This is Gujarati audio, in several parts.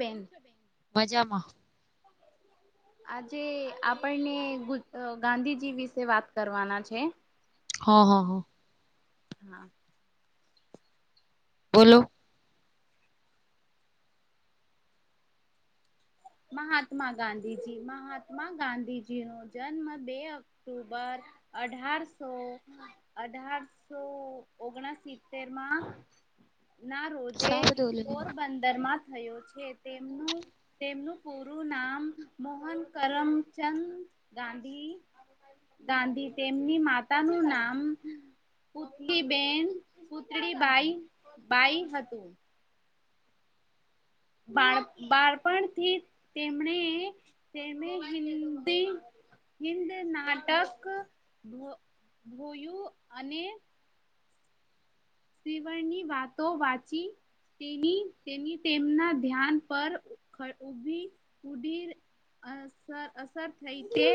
કેમ છો બેન મજામાં આજે આપણને ગુન અ ગાંધીજી વિશે વાત કરવાના છે. હ હ હ હા. બોલો. મહાત્મા ગાંધીજી મહાત્મા ગાંધીજીનો જન્મ બે ઓક્ટોબર અઢારસો અઢારસો ઓગણ સિત્તેરમાં ના રોજે પોરબંદરમાં થયો છે તેમનું તેમનું પૂરું નામ મોહન કરમચંદ ગાંધી ગાંધી તેમની માતા નું નામ પુત્રીબેન પુતળીબાઈ બાઈ હતું. બાળ બાળપણથી તેમણે તેમે હિન્દી હિદ નાટક અ ધોયું અને ત્રિવર્ની વાતો વાંચી તેની તેની તેમના ધ્યાન પર ખટી ઉભી ઉધીર અસર અસર થઈ કે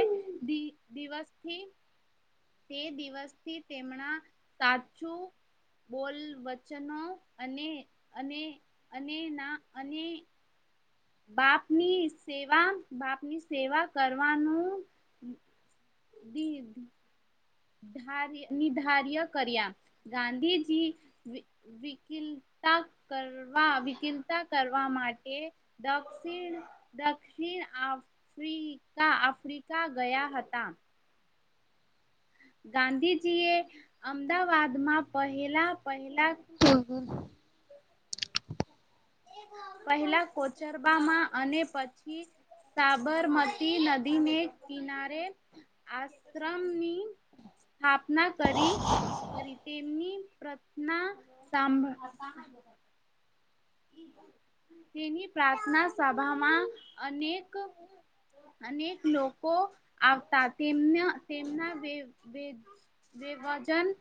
દિવસથી તે દિવસથી તેમણા સાચું બોલ વચનો અને અને અને ના અને બાપની સેવા બાપની સેવા કરવાનું દીધ ધાર્ય નિધાર્ય કર્યા ગાંધીજી વિકિલતા કરવા વિકિલતા કરવા માટે દક્ષિણ દક્ષિણ આવ ફ્રિકા આફ્રિકા ગયા હતા. ગાંધીજીએ અમદાવાદમાં પહેલા પહેલા [unintelligible] પહેલા કોચરબામાં અને પછી સાબરમતી નદીને કિનારે આશ્રમની સ્થાપના કરી. કરી તેમની પ્રથના સાંભળ તેની પ્રાર્થના સાભામાં અનેક અનેક લોકો આવતા તેમના તેમના દેવ વેદ બે વજન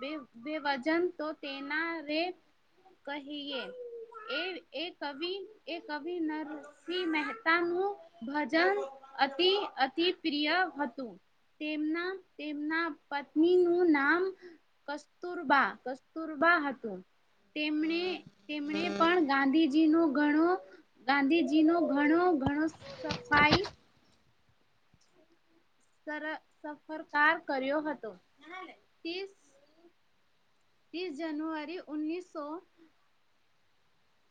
બે બે વજન તો તેના રે કહીએ. એ એ કવિ એ કવિ ના વિ મહેતાનું ભજન અતિ અતિ પ્રિય હતું. તેમના તેમના પત્નીનું નામ કસ્તુરબા કસ્તુરબા હતું તેમણે તેમણે પણ ગાંધીજીનો ઘણો ગાંધીજીનો ઘણો ઘણો સફાઈ સર સફરકાર કર્યો હતો તેસ ત્રીસ જનુઅરી ઉન્નીસો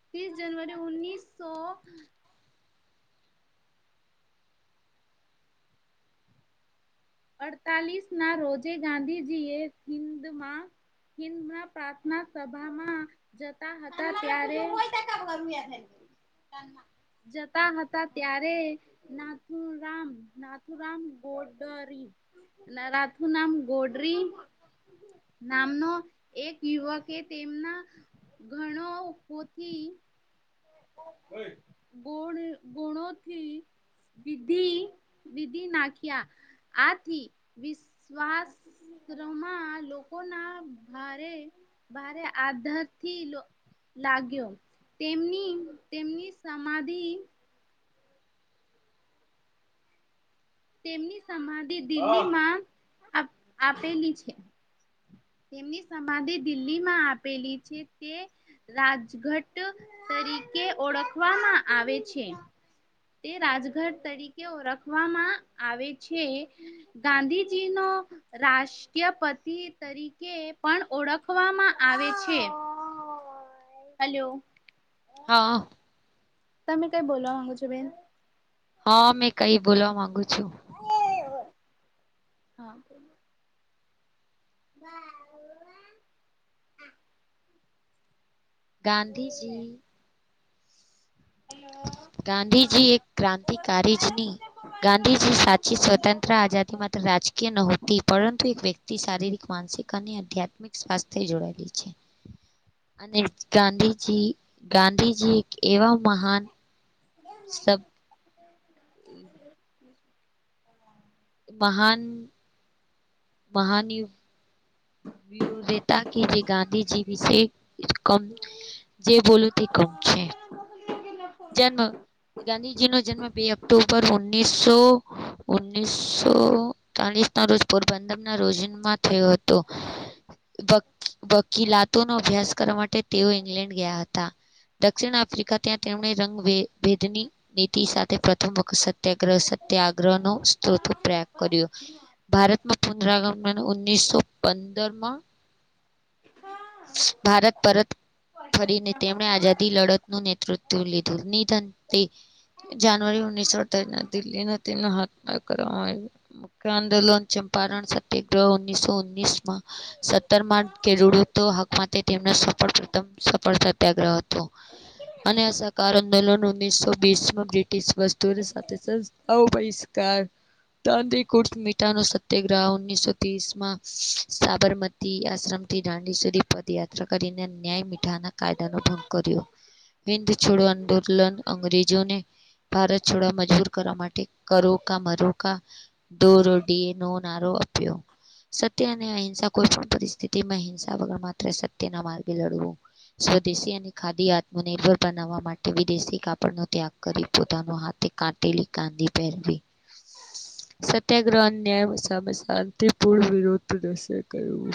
ત્રીસ જનવરી ઉન્નીસો અડતાલીસના રોજે ગાંધીજી એ હિંદમાં હિંદમાં પ્રાર્થના સભામાં જતા હતા ત્યારે [unintelligible] જતા હતા ત્યારે નાથુરામ, નાથુરામ ગોડરી. નારાથું નામ ગોડરી. નામનો એક યુવકે તેમના ઘણો ઉપોથી ગુણ ગુણોથી વિધિ વિધિ નાખ્યા આથી વિશ્વાસ માં લોકોના ભારે ભારે આધારથી લો લાગ્યો તેમની તેમની સમાધિ તેમની સમાધિ દિલ્હીમાં આપેલી છે તેમની સમાધિ દિલ્હીમાં આપેલી છે તે રાજઘટ તરીકે ઓળખવામાં આવે છે. તે રાજઘટ તરીકે ઓળખવામાં આવે છે. ગાંધીજીનો રાષ ષ્ટ્રપતિ તરીકે પણ ઓળખવામાં આવે છે હલો હા તમે કઈ બોલવા માંગો છો બેન હ, મેં કઈ બોલવા માંગુ છું. હા [inaudible] ગાંધીજી હેલ્લો ગાંધીજી એક ક્રાંતિકારીજની ગાંધીજી સાચી સ્વતંત્ર આઝાદી માત્ર રાજકીય નહોતી. પરંતુ એક વ્ય શારીરિક માનસિક અને આધ્યાત્મિક સ્વાસ્થ્ય જોડાયેલી છે. અને ગાંધીજી ગાંધીજી એક એવા મહાન [inaudible] સબ મહાન મહાન યુક [inaudible] વ્યૂવ રેતા કે જે ગાંધીજી વિશે [unintelligible] જે બોલો તે કમ છે [inaudible] જન્મ ગાંધીજીનો જન્મ બે ઓક્ટોબર ઓનીસસો ઓણીસો તાલિસના રોજ પોરબંદરના રોજનમાં થયો હતો. વકીલાતોનો અભ્યાસ કરવા માટે તેઓ ઇંગ્લેન્ડ ગયા હતા. દક્ષિણ આફ્રિકા ત્યાં તેમણે રંગભેદની નીતિ સાથે પ્રથમ વખત સત્યાગ્રહ સત્યાગ્રહ નો સ્ત્રોત પ્રયાગ કર્યો. ભારતમાં પુનરાગમન ઉણીસો પંદરમાં ભારત પરત ફરીને, તેમણે આઝાદી લડત નું નેતૃત્વ લીધું નિધન તે જાનુઆરી, ઓગણીસો, [inaudible] ના દિલ્હી તેમને હાથ કરવામાં આવ્યો. મુખ્ય આંદોલન ચંપારણ સત્યાગ્રહ, ઉનીસો ઉનીસ મા સત્તરમાં કેડૂડુ તો હકમાં, તેમનો સફળ પ્રથમ સફળ સત્યાગ્રહ હતો. અને આશકાર આંદોલન ઓગણીસોબીસમાં બ્રિટિશ વદૂરી સાથે [inaudible] અવિસ્કાર દાંડીકુચ મીઠાનો સત્યાગ્રહ ઓણીસોત્રીસમાં સાબરમતી આશ્રમથી સુધી પદયાત્રા કરીને ન્યાય મીઠાના કાયદાનો ભંગ કર્યો. હિંદ છોડો આંદોલન અંગ્રેજોને ભારત છોડવા મજબૂર કરવા માટે કરો કા મરોકા દો રોટીનો નારો આપ્યો સત્ય અને અહિંસા કોઈ પણ પરિસ્થિતિમાં હિ વગર માત્ર સત્યના માર્ગે લડવું. સ્વદેશી અને ખાદીય આત્મનિર્ભર બનાવવા માટે વિદેશી કાપડનો ત્યાગ કરી પોતાનો હાથે કાટેલી કાંદી પહેરવી હ સત્યાગ્રહ ન્યાય સામે શાંતિપૂર્ણ વિરોધ થશે કર્યું.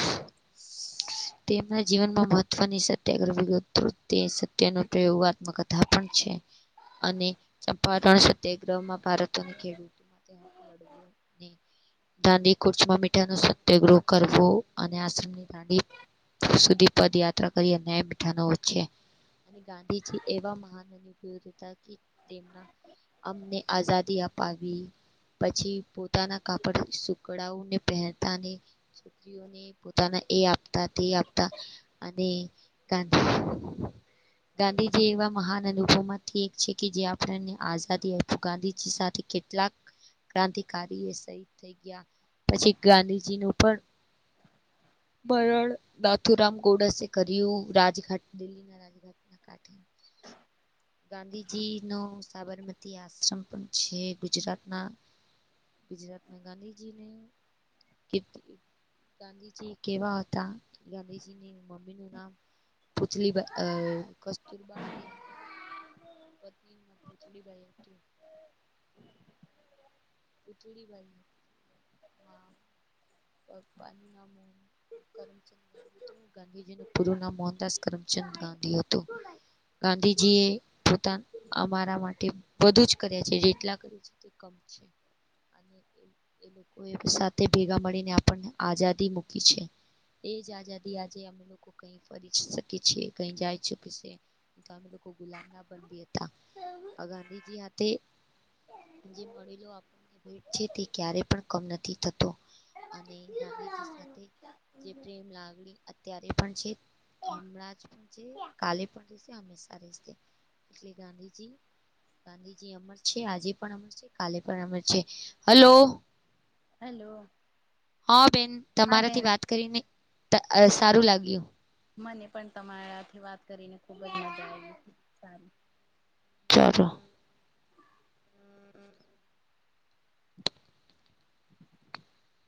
તેમના જીવન માં મહત્વની સત્યા ગ્રહ તૃત સે સત્યનો પ્રયોગ આત્મકથા પણ છે અને ચંપાણ સત્યાગ્રહમાં ભારત તને ખેડૂતો માટે હક લડવો ને દાડી કોર્ચમાં મીઠા નો સત્યગ્રહ કરવો અને આશ્રમ ની સુધી પદયાત્રા કરી ન્યાય મીઠાનો છે. અને ગાંધીજી એવા મહાનભૂધ હતા કે તેમના અમને આઝાદી અપાવી પછી પોતાના કાપડથી સુકડાઓને પહેરતાને ઓની પોતાને એ આપતા તે આપતા અને તા ગાંધીજી એવા મહાન અનુભવ માંથી એક છે કે જે આપણને આઝાદી આપ્યું ગાંધીજી સાથે કે કેલાક ક્રાંતિકારી એ શહીદ થઈ ગયા પછી ગાંધીજી નું પણ મરણ નાથુરામ ગોડસે કર્યું રાજઘાટ દિલ્હી ના રાજઘાટના કાંઠ [inaudible] ગાંધીજી નો સાબરમતી આશ્રમ પણ છે ગુજરાત ના ગુજરાતમાં ગાંધીજી ને ગાંધીજી કેવા હતા ગાંધીજીની [inaudible] નામલી પુતળીબાઈ કસ્તુરબાઈ પત્ની પૂતલી બાઈ [unintelligible] પપ્પાનું નામ કરચંદ ગાંધી હતું ગાંધીજી નું પૂરું નામ મોહનદાસ કરમચંદ ગાંધી હતું. ગાંધીજી એ પોતાના અમારા માટે બધું જ કર્યા છે જેટલા કર છે. તો કમ છે. અને એ લોકો સાથે ભેગા મળીને આપણને આઝાદી મૂકી છે. એજ આઝાદી આજે અમે લોકો કઈ ફરી શકી છીએ કઈ જઈ ચુકી છે. અમે લોકો ગુલામ ના બની હતી. ગાંધીજી હાથે જે મળેલો આ જે તે ક્યારે પણ કમ નથી થતો અને ગાંધીજી સાથે જે પ્રેમ લાગણી અત્યારે પણ છે. હમણાં જ પણ છે કાલે પણ રહેશે હમેશા રહેશે એટલે ગાંધીજી ગાંધીજી અમર છે આજે પણ અમર છે કાલે પણ અમર છે હલો. હલો. હા બેન તમારાથી વાત કરીને સારું લાગ્યું. મને પણ તમારાથી વાત કરીને ખુબ જ મજા આવી હતી સાર ચારસો [inaudible]